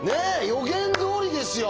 予言どおりですよ。